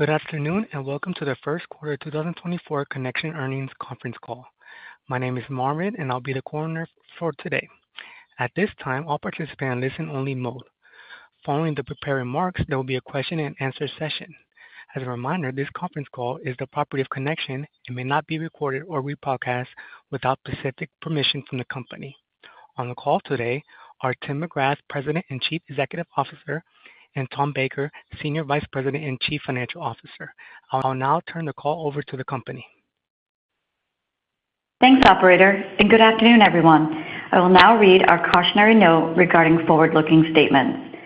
Good afternoon, and welcome to the first quarter 2024 Connection Earnings Conference Call. My name is Marvin, and I'll be the coordinator for today. At this time, all participants are in listen-only mode. Following the prepared remarks, there will be a question-and-answer session. As a reminder, this conference call is the property of Connection and may not be recorded or rebroadcast without specific permission from the company. On the call today are Tim McGrath, President and Chief Executive Officer, and Tom Baker, Senior Vice President and Chief Financial Officer. I'll now turn the call over to the company. Thanks, operator, and good afternoon, everyone. I will now read our cautionary note regarding forward-looking statements.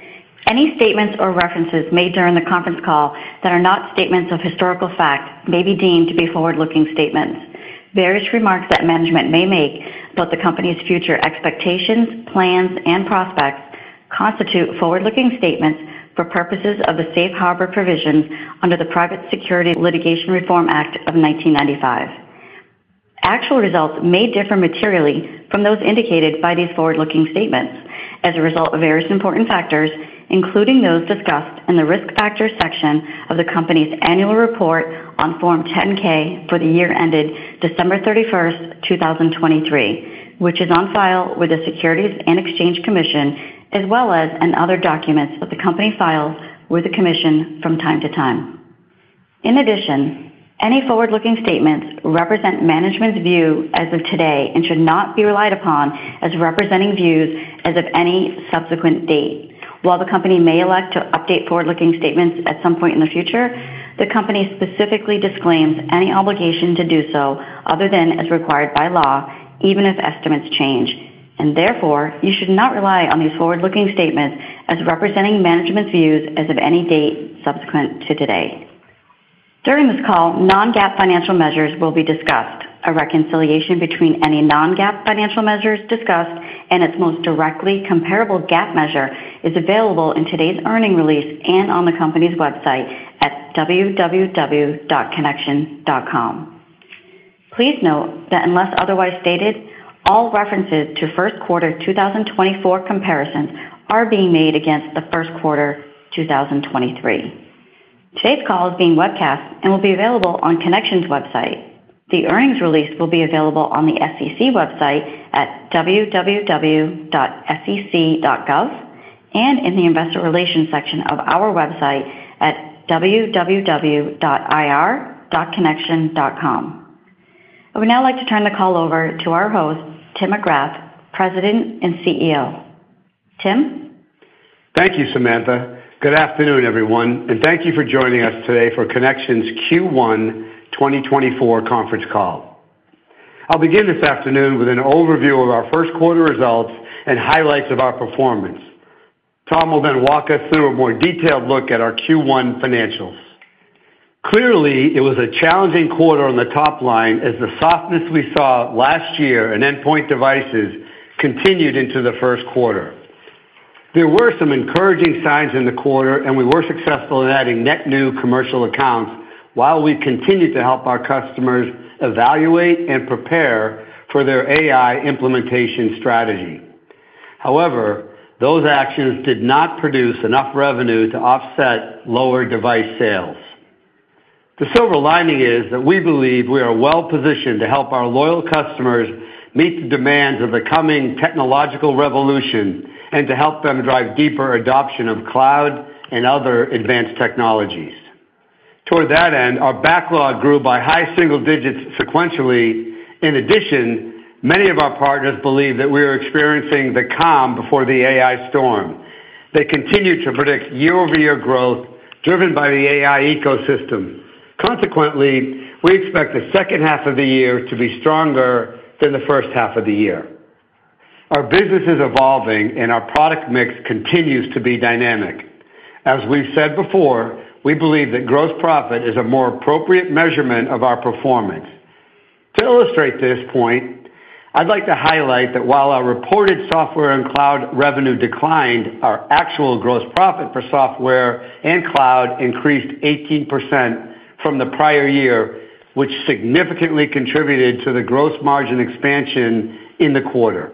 Any statements or references made during the conference call that are not statements of historical fact may be deemed to be forward-looking statements. Various remarks that management may make about the company's future expectations, plans, and prospects constitute forward-looking statements for purposes of the Safe Harbor Provisions under the Private Securities Litigation Reform Act of 1995. Actual results may differ materially from those indicated by these forward-looking statements as a result of various important factors, including those discussed in the Risk Factors section of the company's annual report on Form 10-K for the year ended December 31st, 2023, which is on file with the Securities and Exchange Commission, as well as in other documents that the company files with the commission from time to time. In addition, any forward-looking statements represent management's view as of today and should not be relied upon as representing views as of any subsequent date. While the company may elect to update forward-looking statements at some point in the future, the company specifically disclaims any obligation to do so other than as required by law, even if estimates change, and therefore you should not rely on these forward-looking statements as representing management's views as of any date subsequent to today. During this call, non-GAAP financial measures will be discussed. A reconciliation between any non-GAAP financial measures discussed and its most directly comparable GAAP measure is available in today's earnings release and on the company's website at www.connection.com. Please note that unless otherwise stated, all references to first quarter 2024 comparisons are being made against the first quarter 2023. Today's call is being webcast and will be available on Connection's website. The earnings release will be available on the SEC website at www.sec.gov and in the Investor Relations section of our website at www.ir.connection.com. I would now like to turn the call over to our host, Tim McGrath, President and CEO. Tim? Thank you, Samantha. Good afternoon, everyone, and thank you for joining us today for Connection's Q1 2024 conference call. I'll begin this afternoon with an overview of our first quarter results and highlights of our performance. Tom will then walk us through a more detailed look at our Q1 financials. Clearly, it was a challenging quarter on the top line, as the softness we saw last year in endpoint devices continued into the first quarter. There were some encouraging signs in the quarter, and we were successful in adding net new commercial accounts while we continued to help our customers evaluate and prepare for their AI implementation strategy. However, those actions did not produce enough revenue to offset lower device sales. The silver lining is that we believe we are well positioned to help our loyal customers meet the demands of the coming technological revolution and to help them drive deeper adoption of cloud and other advanced technologies. Toward that end, our backlog grew by high single digits sequentially. In addition, many of our partners believe that we are experiencing the calm before the AI storm. They continue to predict year-over-year growth driven by the AI ecosystem. Consequently, we expect the second half of the year to be stronger than the first half of the year. Our business is evolving, and our product mix continues to be dynamic. As we've said before, we believe that gross profit is a more appropriate measurement of our performance. To illustrate this point, I'd like to highlight that while our reported software and cloud revenue declined, our actual gross profit for software and cloud increased 18% from the prior year, which significantly contributed to the gross margin expansion in the quarter.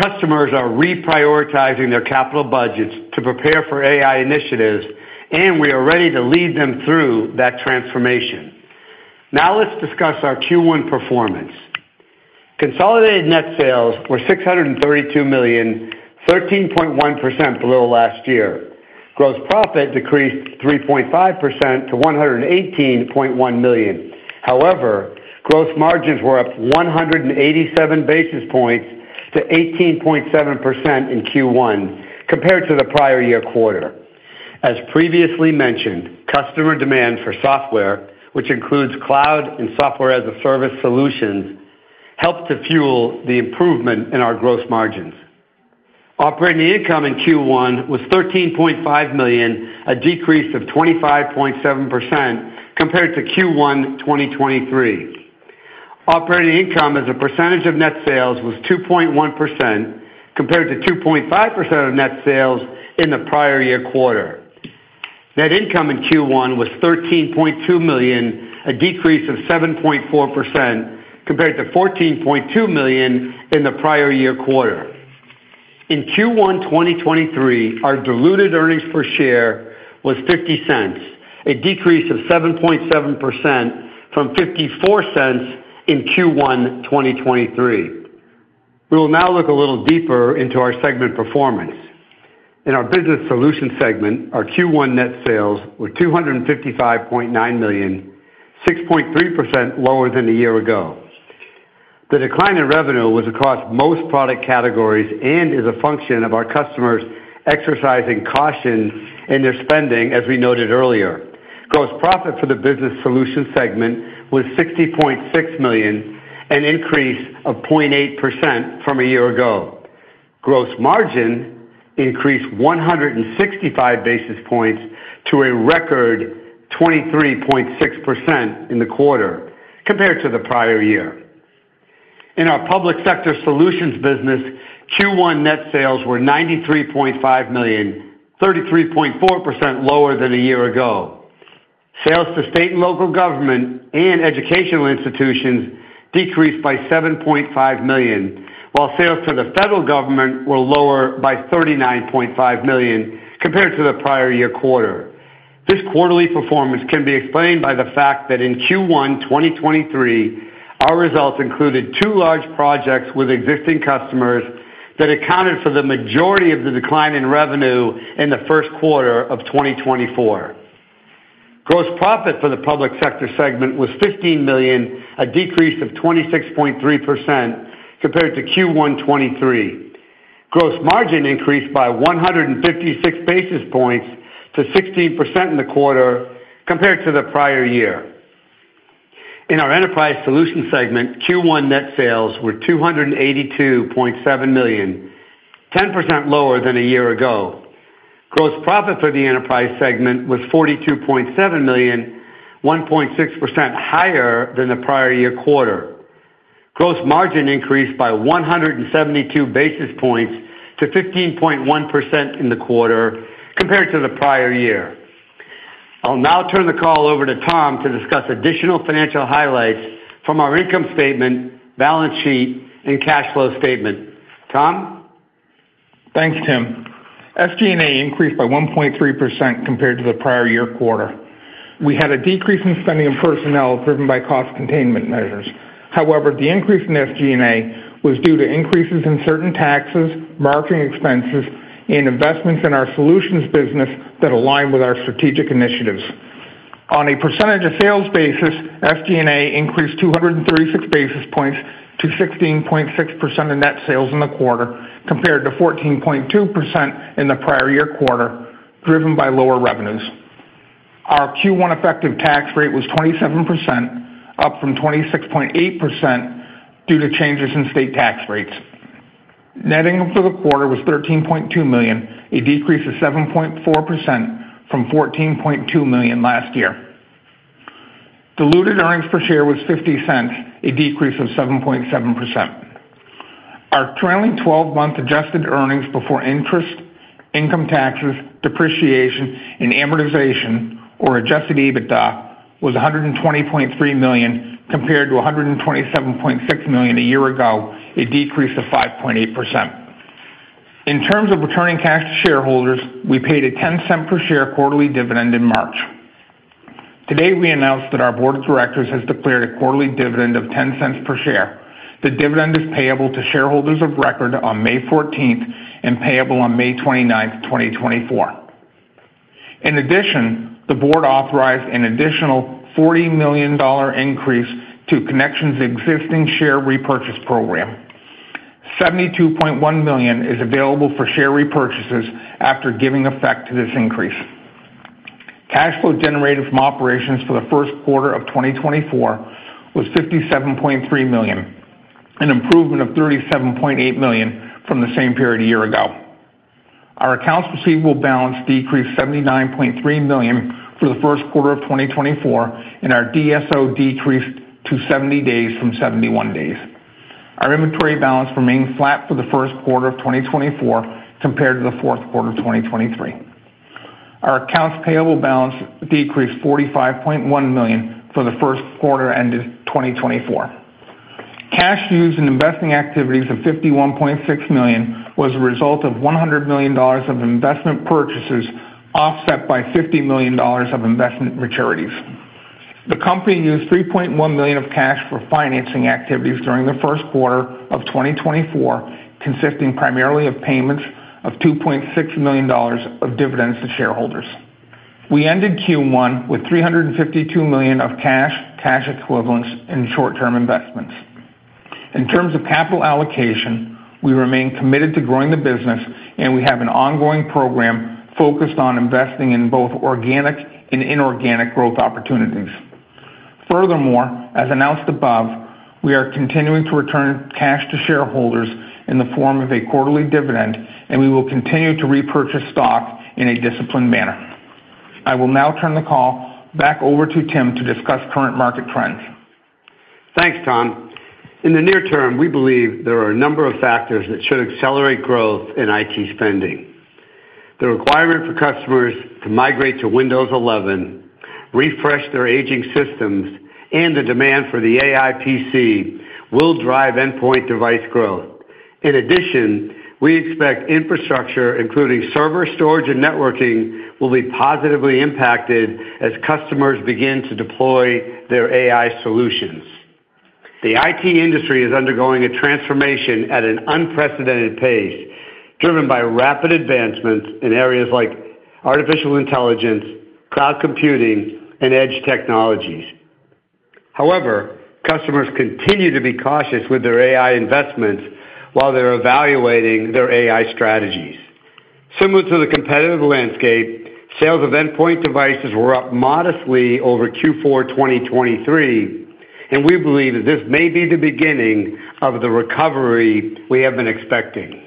Customers are reprioritizing their capital budgets to prepare for AI initiatives, and we are ready to lead them through that transformation. Now let's discuss our Q1 performance. Consolidated net sales were $632 million, 13.1% below last year. Gross profit decreased 3.5% to $118.1 million. However, gross margins were up 187 basis points to 18.7% in Q1 compared to the prior year quarter. As previously mentioned, customer demand for software, which includes cloud and software as a service solutions, helped to fuel the improvement in our gross margins. Operating income in Q1 was $13.5 million, a decrease of 25.7% compared to Q1 2023. Operating income as a percentage of net sales was 2.1%, compared to 2.5% of net sales in the prior year quarter. Net income in Q1 was $13.2 million, a decrease of 7.4% compared to $14.2 million in the prior year quarter. In Q1 2023, our diluted earnings per share was $0.50, a decrease of 7.7% from $0.54 in Q1 2023. We will now look a little deeper into our segment performance. In our Business Solutions segment, our Q1 net sales were $255.9 million, 6.3% lower than a year ago. The decline in revenue was across most product categories and is a function of our customers exercising caution in their spending, as we noted earlier. Gross profit for the Business Solutions segment was $60.6 million, an increase of 0.8% from a year ago. Gross margin increased 165 basis points to a record 23.6% in the quarter compared to the prior year. In our Public Sector Solutions business, Q1 net sales were $93.5 million, 33.4% lower than a year ago. Sales to state and local government and educational institutions decreased by $7.5 million, while sales to the federal government were lower by $39.5 million compared to the prior year quarter. This quarterly performance can be explained by the fact that in Q1 2023, our results included two large projects with existing customers that accounted for the majority of the decline in revenue in the first quarter of 2024. Gross profit for the Public Sector segment was $15 million, a decrease of 26.3% compared to Q1 2023. Gross margin increased by 156 basis points to 16% in the quarter compared to the prior year. In our Enterprise Solutions segment, Q1 net sales were $282.7 million, 10% lower than a year ago. Gross profit for the enterprise segment was $42.7 million, 1.6% higher than the prior year quarter. Gross margin increased by 172 basis points to 15.1% in the quarter compared to the prior year. I'll now turn the call over to Tom to discuss additional financial highlights from our income statement, balance sheet, and cash flow statement. Tom? Thanks, Tim. SG&A increased by 1.3% compared to the prior year quarter. We had a decrease in spending on personnel, driven by cost containment measures. However, the increase in SG&A was due to increases in certain taxes, marketing expenses, and investments in our solutions business that align with our strategic initiatives. On a percentage of sales basis, SG&A increased 236 basis points to 16.6% of net sales in the quarter, compared to 14.2% in the prior year quarter, driven by lower revenues. Our Q1 effective tax rate was 27%, up from 26.8% due to changes in state tax rates. Net income for the quarter was $13.2 million, a decrease of 7.4% from $14.2 million last year. Diluted earnings per share was $0.50, a decrease of 7.7%. Our trailing 12-month adjusted earnings before interest, income taxes, depreciation, and amortization, or adjusted EBITDA, was $120.3 million, compared to $127.6 million a year ago, a decrease of 5.8%. In terms of returning cash to shareholders, we paid a $0.10 per share quarterly dividend in March. Today, we announced that our board of directors has declared a quarterly dividend of $0.10 per share. The dividend is payable to shareholders of record on May 14th and payable on May 29th, 2024. In addition, the board authorized an additional $40 million increase to Connection's existing share repurchase program. $72.1 million is available for share repurchases after giving effect to this increase. Cash flow generated from operations for the first quarter of 2024 was $57.3 million, an improvement of $37.8 million from the same period a year ago. Our accounts receivable balance decreased $79.3 million for the first quarter of 2024, and our DSO decreased to 70 days from 71 days. Our inventory balance remained flat for the first quarter of 2024 compared to the fourth quarter of 2023. Our accounts payable balance decreased $45.1 million for the first quarter ended 2024. Cash used in investing activities of $51.6 million was a result of $100 million of investment purchases, offset by $50 million of investment maturities. The company used $3.1 million of cash for financing activities during the first quarter of 2024, consisting primarily of payments of $2.6 million of dividends to shareholders. We ended Q1 with $352 million of cash, cash equivalents, and short-term investments. In terms of capital allocation, we remain committed to growing the business, and we have an ongoing program focused on investing in both organic and inorganic growth opportunities. Furthermore, as announced above, we are continuing to return cash to shareholders in the form of a quarterly dividend, and we will continue to repurchase stock in a disciplined manner. I will now turn the call back over to Tim to discuss current market trends. Thanks, Tom. In the near term, we believe there are a number of factors that should accelerate growth in IT spending. The requirement for customers to migrate to Windows 11, refresh their aging systems, and the demand for the AI PC will drive endpoint device growth. In addition, we expect infrastructure, including server storage and networking, will be positively impacted as customers begin to deploy their AI solutions. The IT industry is undergoing a transformation at an unprecedented pace, driven by rapid advancements in areas like artificial intelligence, cloud computing, and edge technologies. However, customers continue to be cautious with their AI investments while they're evaluating their AI strategies. Similar to the competitive landscape, sales of endpoint devices were up modestly over Q4 2023, and we believe that this may be the beginning of the recovery we have been expecting.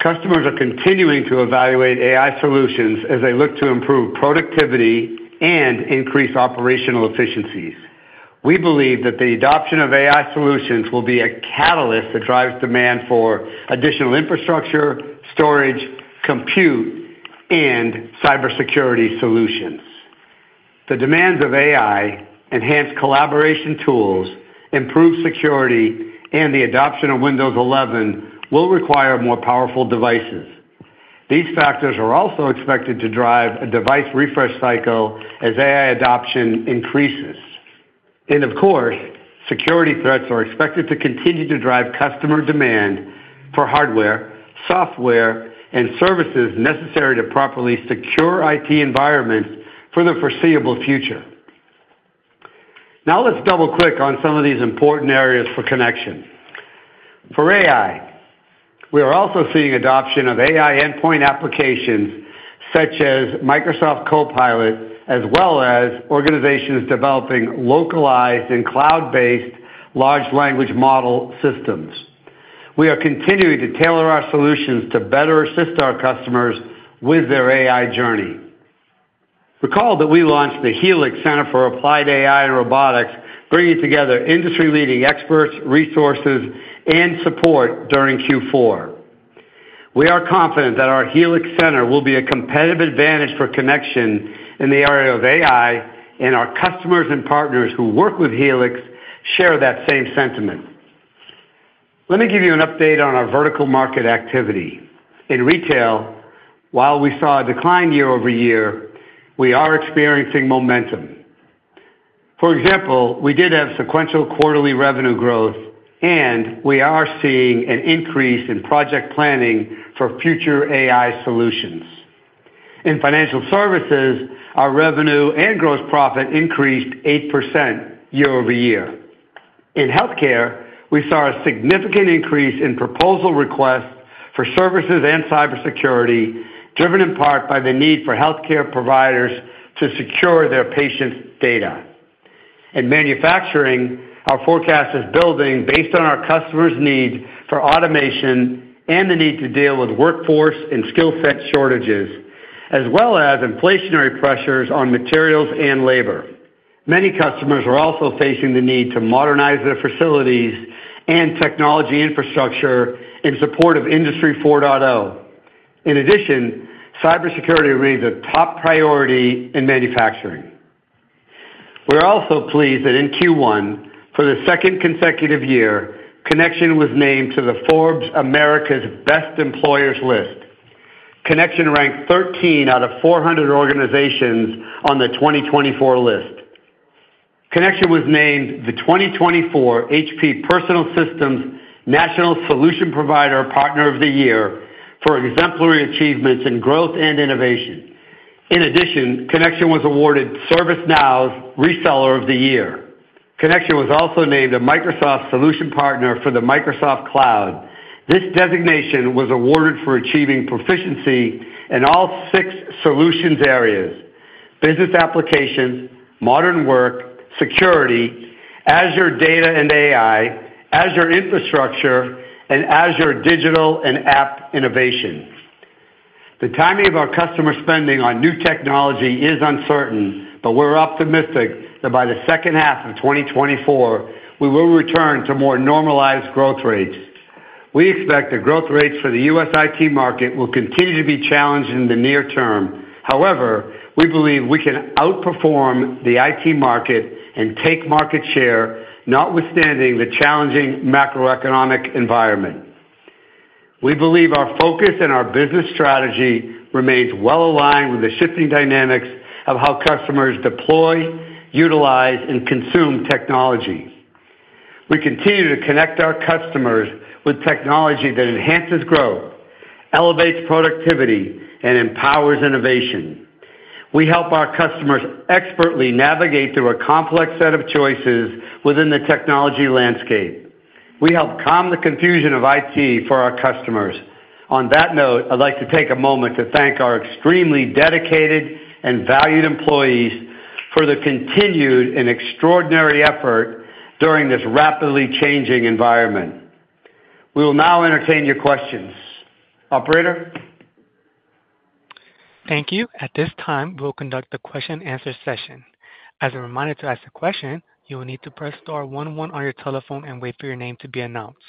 Customers are continuing to evaluate AI solutions as they look to improve productivity and increase operational efficiencies. We believe that the adoption of AI solutions will be a catalyst that drives demand for additional infrastructure, storage, compute, and cybersecurity solutions. The demands of AI, enhanced collaboration tools, improved security, and the adoption of Windows 11 will require more powerful devices. These factors are also expected to drive a device refresh cycle as AI adoption increases. Of course, security threats are expected to continue to drive customer demand for hardware, software, and services necessary to properly secure IT environments for the foreseeable future. Now, let's double-click on some of these important areas for Connection. For AI, we are also seeing adoption of AI endpoint applications such as Microsoft Copilot, as well as organizations developing localized and cloud-based large language model systems. We are continuing to tailor our solutions to better assist our customers with their AI journey. Recall that we launched the Helix Center for Applied AI and Robotics, bringing together industry-leading experts, resources, and support during Q4. We are confident that our Helix Center will be a competitive advantage for Connection in the area of AI, and our customers and partners who work with Helix share that same sentiment. Let me give you an update on our vertical market activity. In retail, while we saw a decline year-over-year, we are experiencing momentum. For example, we did have sequential quarterly revenue growth, and we are seeing an increase in project planning for future AI solutions. In financial services, our revenue and gross profit increased 8% year-over-year. In healthcare, we saw a significant increase in proposal requests for services and cybersecurity, driven in part by the need for healthcare providers to secure their patients' data. In manufacturing, our forecast is building based on our customers' need for automation and the need to deal with workforce and skill set shortages, as well as inflationary pressures on materials and labor. Many customers are also facing the need to modernize their facilities and technology infrastructure in support of Industry 4.0. In addition, cybersecurity remains a top priority in manufacturing. We're also pleased that in Q1, for the second consecutive year, Connection was named to the Forbes America's Best Employers list. Connection ranked 13 out of 400 organizations on the 2024 list. Connection was named the 2024 HP Personal Systems National Solution Provider Partner of the Year for exemplary achievements in growth and innovation. In addition, Connection was awarded ServiceNow's Reseller of the Year. Connection was also named a Microsoft Solutions Partner for the Microsoft Cloud. This designation was awarded for achieving proficiency in all six solutions areas: Business Applications, Modern Work, Security, Azure Data and AI, Azure Infrastructure, and Azure Digital and App Innovation. The timing of our customer spending on new technology is uncertain, but we're optimistic that by the second half of 2024, we will return to more normalized growth rates. We expect the growth rates for the US IT market will continue to be challenged in the near term. However, we believe we can outperform the IT market and take market share, notwithstanding the challenging macroeconomic environment. We believe our focus and our business strategy remains well aligned with the shifting dynamics of how customers deploy, utilize, and consume technology. We continue to connect our customers with technology that enhances growth, elevates productivity, and empowers innovation. We help our customers expertly navigate through a complex set of choices within the technology landscape. We help calm the confusion of IT for our customers. On that note, I'd like to take a moment to thank our extremely dedicated and valued employees for the continued and extraordinary effort during this rapidly changing environment. We will now entertain your questions. Operator? Thank you. At this time, we'll conduct the question-and-answer session. As a reminder, to ask a question, you will need to press star one one on your telephone and wait for your name to be announced.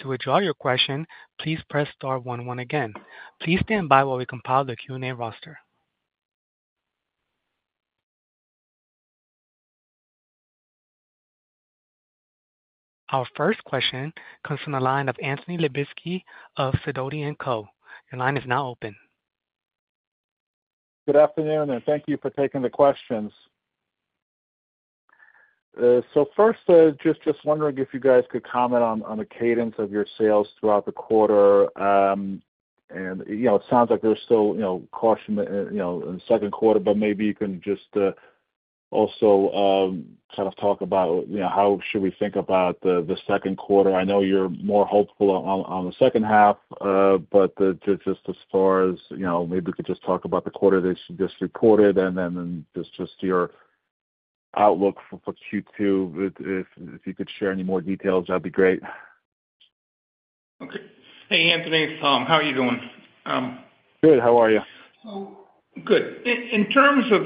To withdraw your question, please press star one one again. Please stand by while we compile the Q&A roster. Our first question comes from the line of Anthony Lebiedzinski of Sidoti & Co. Your line is now open. Good afternoon, and thank you for taking the questions. So first, just wondering if you guys could comment on the cadence of your sales throughout the quarter. You know, it sounds like there's still, you know, caution, you know, in the second quarter, but maybe you can just also kind of talk about, you know, how should we think about the second quarter. I know you're more hopeful on the second half, but just as far as, you know, maybe we could just talk about the quarter that you just reported and then just your outlook for Q2. If you could share any more details, that'd be great. Okay. Hey, Anthony. How are you doing? Good. How are you? Good. In terms of,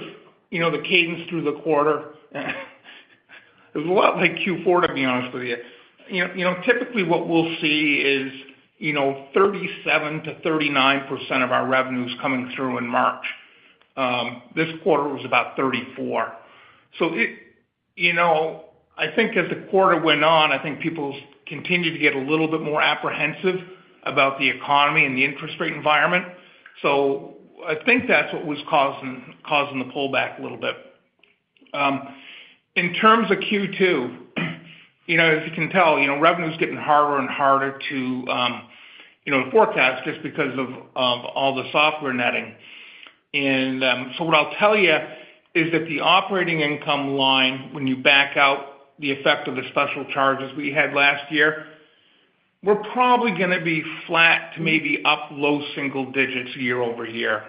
you know, the cadence through the quarter, it's a lot like Q4, to be honest with you. You know, typically what we'll see is, you know, 37%-39% of our revenue is coming through in March. This quarter was about 34%. So it -- you know, I think as the quarter went on, I think people continued to get a little bit more apprehensive about the economy and the interest rate environment. So I think that's what was causing the pullback a little bit. In terms of Q2, you know, as you can tell, you know, revenue is getting harder and harder to forecast just because of all the software netting. So what I'll tell you is that the operating income line, when you back out the effect of the special charges we had last year, we're probably gonna be flat to maybe up low single digits year-over-year.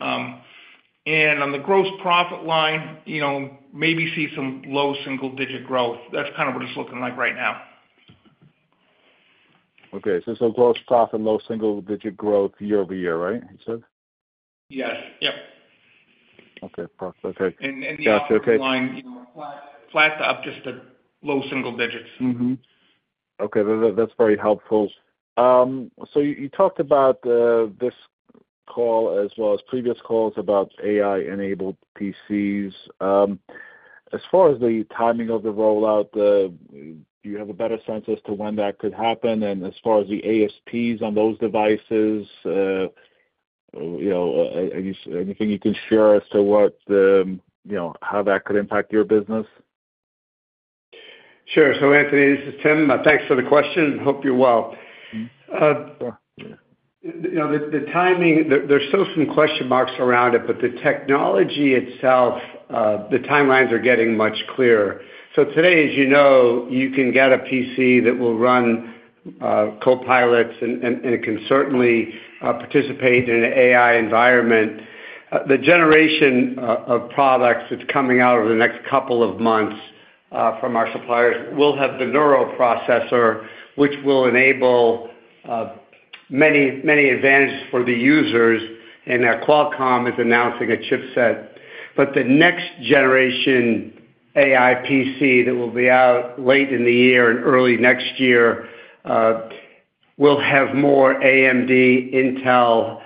On the gross profit line, you know, maybe see some low single-digit growth. That's kind of what it's looking like right now. Okay. So, so gross profit, low single-digit growth year-over-year, right, you said? Yes. Yep. Okay, perfect. Okay. And the- Got you. Okay... line, you know, flat, flat to up, just the low single digits. Mm-hmm. Okay, that, that's very helpful. So you talked about this call as well as previous calls about AI-enabled PCs. As far as the timing of the rollout, do you have a better sense as to when that could happen? And as far as the ASPs on those devices, you know, are you—anything you can share as to what the, you know, how that could impact your business? Sure. So Anthony, this is Tim. Thanks for the question. Hope you're well. Mm-hmm. Sure. You know, the timing, there's still some question marks around it, but the technology itself, the timelines are getting much clearer. So today, as you know, you can get a PC that will run Copilot and can certainly participate in an AI environment. The generation of products that's coming out over the next couple of months from our suppliers will have the neural processor, which will enable many, many advantages for the users, and Qualcomm is announcing a chipset. But the next generation AI PC that will be out late in the year and early next year will have more AMD, Intel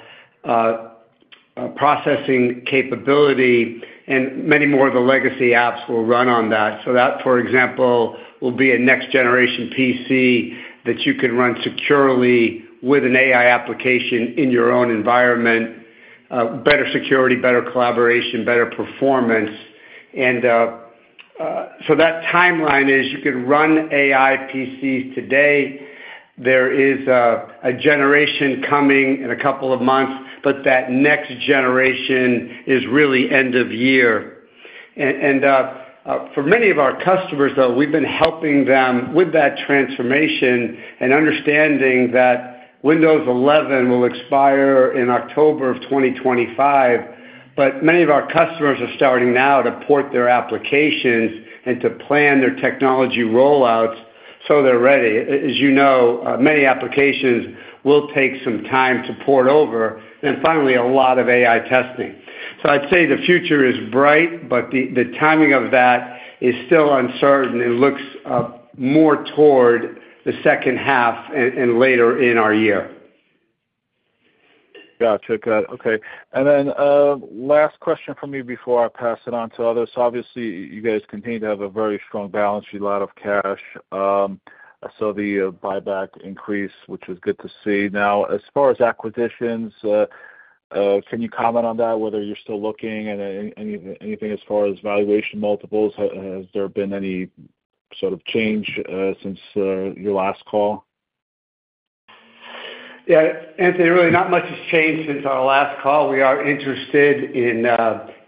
processing capability, and many more of the legacy apps will run on that. So that, for example, will be a next-generation PC that you can run securely with an AI application in your own environment. Better security, better collaboration, better performance. And so that timeline is you can run AI PCs today. There is a generation coming in a couple of months, but that next generation is really end of year. For many of our customers, though, we've been helping them with that transformation and understanding that Windows 11 will expire in October of 2025, but many of our customers are starting now to port their applications and to plan their technology rollouts, so they're ready. As you know, many applications will take some time to port over, and finally, a lot of AI testing. So I'd say the future is bright, but the timing of that is still uncertain. It looks more toward the second half and later in our year. Gotcha. Okay. And then, last question from me before I pass it on to others. Obviously, you guys continue to have a very strong balance sheet, a lot of cash, so the buyback increase, which is good to see. Now, as far as acquisitions, can you comment on that, whether you're still looking and anything as far as valuation multiples? Has there been any sort of change since your last call? Yeah, Anthony, really not much has changed since our last call. We are interested in,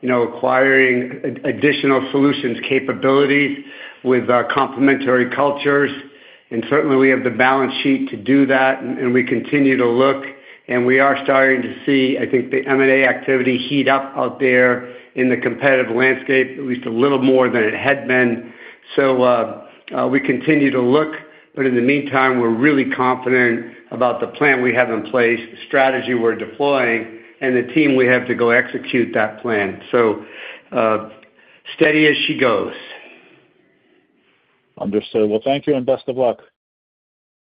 you know, acquiring additional solutions capabilities with, complementary cultures, and certainly, we have the balance sheet to do that, and we continue to look, and we are starting to see, I think, the M&A activity heat up out there in the competitive landscape, at least a little more than it had been. So, we continue to look, but in the meantime, we're really confident about the plan we have in place, the strategy we're deploying, and the team we have to go execute that plan. So, steady as she goes. Understood. Well, thank you, and best of luck.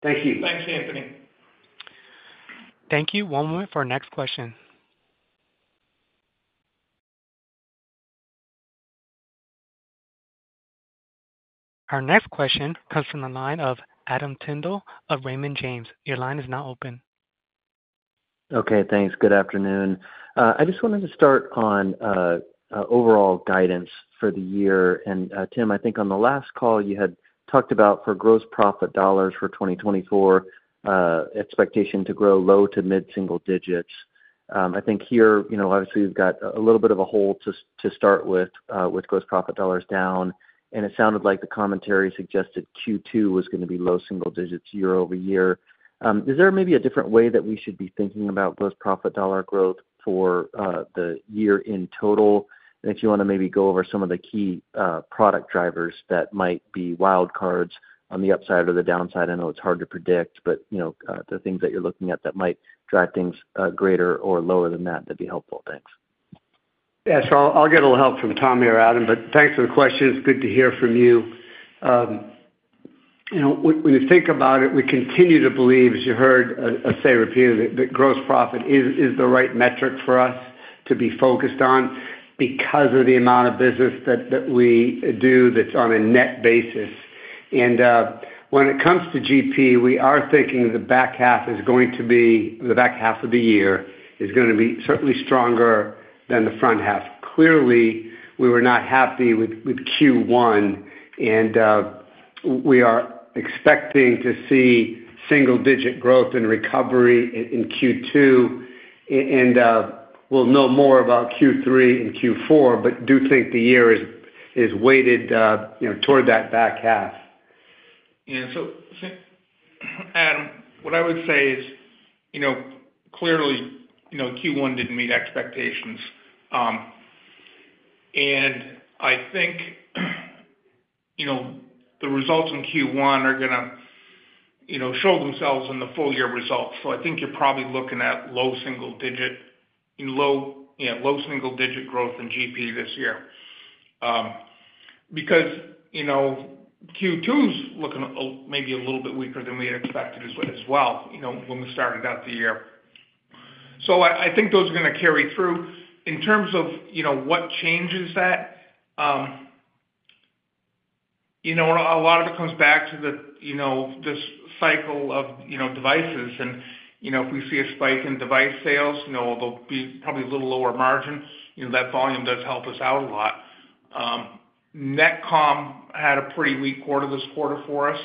Thank you. Thanks, Anthony. Thank you. One moment for our next question. Our next question comes from the line of Adam Tindle of Raymond James. Your line is now open. Okay, thanks. Good afternoon. I just wanted to start on overall guidance for the year. Tim, I think on the last call, you had talked about for gross profit dollars for 2024 expectation to grow low- to mid-single digits. I think here, you know, obviously, you've got a little bit of a hole to start with, with gross profit dollars down, and it sounded like the commentary suggested Q2 was gonna be low-single-digit year-over-year. Is there maybe a different way that we should be thinking about gross profit dollar growth for the year in total? And if you wanna maybe go over some of the key product drivers that might be wild cards on the upside or the downside. I know it's hard to predict, but, you know, the things that you're looking at that might drive things, greater or lower than that, that'd be helpful. Thanks. Yeah, so I'll get a little help from Tom here, Adam, but thanks for the question. It's good to hear from you. You know, when you think about it, we continue to believe, as you heard us say repeatedly, that gross profit is the right metric for us to be focused on because of the amount of business that we do that's on a net basis. And when it comes to GP, we are thinking the back half is going to be the back half of the year, is gonna be certainly stronger than the front half. Clearly, we were not happy with Q1, and we are expecting to see single-digit growth and recovery in Q2. We'll know more about Q3 and Q4, but do think the year is weighted, you know, toward that back half. Yeah, so, Adam, what I would say is, you know, clearly, you know, Q1 didn't meet expectations. And I think, you know, the results in Q1 are gonna, you know, show themselves in the full year results. So I think you're probably looking at low single digit growth in GP this year. Because, you know, Q2's looking a little bit weaker than we had expected as well, you know, when we started out the year. So I think those are gonna carry through. In terms of, you know, what changes that, you know, a lot of it comes back to the, you know, this cycle of, you know, devices. And, you know, if we see a spike in device sales, you know, they'll be probably a little lower margin. You know, that volume does help us out a lot. Net/Com had a pretty weak quarter this quarter for us.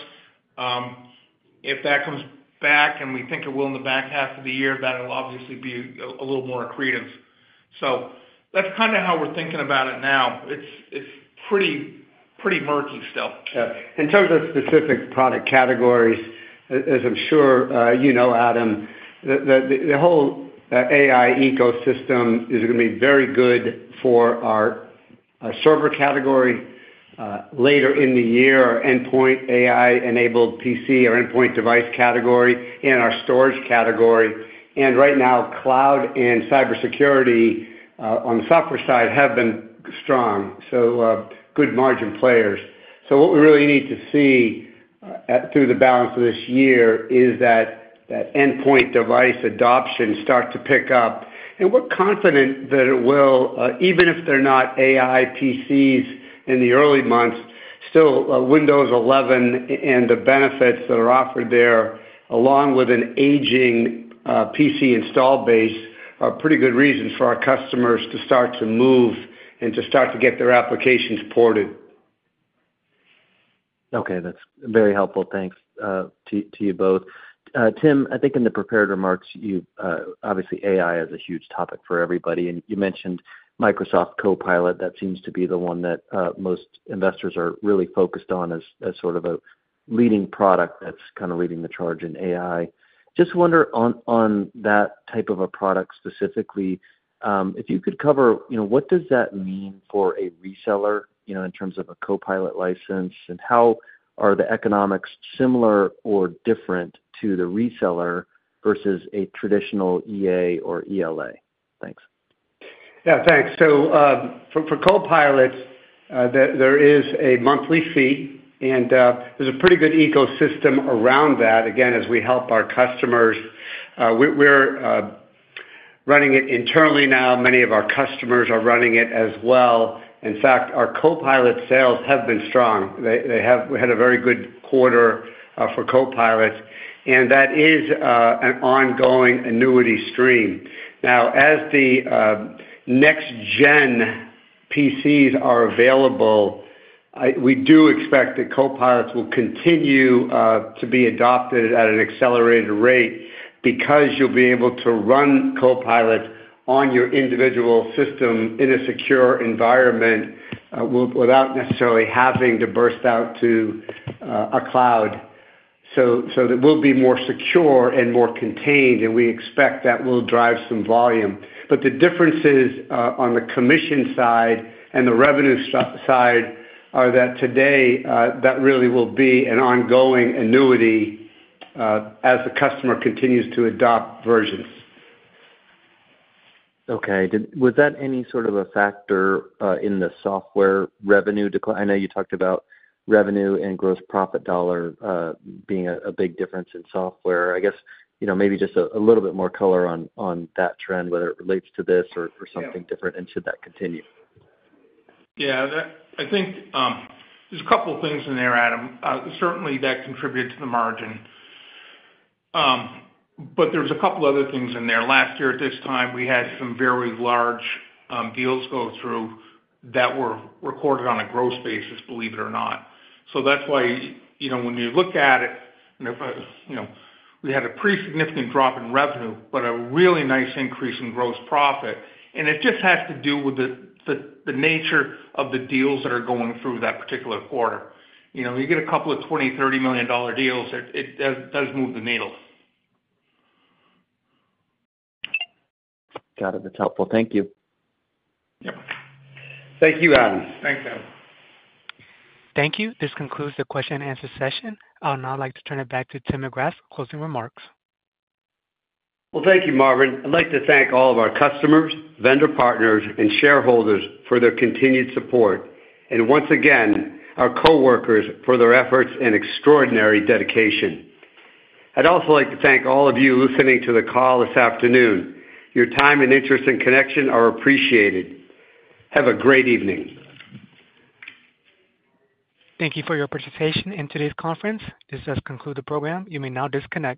If that comes back, and we think it will in the back half of the year, that'll obviously be a little more accretive. So that's kind of how we're thinking about it now. It's pretty murky still. Yeah. In terms of specific product categories, as I'm sure, you know, Adam, the whole AI ecosystem is gonna be very good for our server category later in the year, our endpoint AI-enabled PC, our endpoint device category, and our storage category. And right now, cloud and cybersecurity on the software side have been strong, so good margin players. So what we really need to see through the balance of this year is that endpoint device adoption start to pick up. And we're confident that it will, even if they're not AI PCs in the early months, still, Windows 11 and the benefits that are offered there, along with an aging PC install base, are pretty good reasons for our customers to start to move and to start to get their applications ported. Okay. That's very helpful. Thanks to you both. Tim, I think in the prepared remarks, you obviously, AI is a huge topic for everybody, and you mentioned Microsoft Copilot. That seems to be the one that most investors are really focused on as sort of a leading product that's kind of leading the charge in AI. Just wonder on that type of a product specifically, if you could cover, you know, what does that mean for a reseller, you know, in terms of a Copilot license? And how are the economics similar or different to the reseller versus a traditional EA or ELA? Thanks. Yeah, thanks. So, for Copilot, there is a monthly fee, and there's a pretty good ecosystem around that, again, as we help our customers. We're running it internally now. Many of our customers are running it as well. In fact, our Copilot sales have been strong. We had a very good quarter for Copilot, and that is an ongoing annuity stream. Now, as the next-gen PCs are available, we do expect that Copilots will continue to be adopted at an accelerated rate because you'll be able to run Copilot on your individual system in a secure environment, without necessarily having to burst out to a cloud. So it will be more secure and more contained, and we expect that will drive some volume. But the differences, on the commission side and the revenue side are that today, that really will be an ongoing annuity, as the customer continues to adopt versions. Okay. Was that any sort of a factor in the software revenue decline? I know you talked about revenue and gross profit dollar being a big difference in software. I guess, you know, maybe just a little bit more color on that trend, whether it relates to this or something different, and should that continue? Yeah, that I think, there's a couple things in there, Adam. Certainly, that contributed to the margin. But there's a couple other things in there. Last year, at this time, we had some very large deals go through that were recorded on a gross basis, believe it or not. So that's why, you know, when you look at it, and if, you know, we had a pretty significant drop in revenue, but a really nice increase in gross profit. And it just has to do with the nature of the deals that are going through that particular quarter. You know, you get a couple of $20 million, $30 million deals, it does move the needle. Got it. That's helpful. Thank you. Yep. Thank you, Adam. Thanks, Adam. Thank you. This concludes the question and answer session. I would now like to turn it back to Tim McGrath for closing remarks. Well, thank you, Marvin. I'd like to thank all of our customers, vendor partners, and shareholders for their continued support, and once again, our coworkers for their efforts and extraordinary dedication. I'd also like to thank all of you listening to the call this afternoon. Your time and interest in Connection are appreciated. Have a great evening! Thank you for your participation in today's conference. This does conclude the program. You may now disconnect.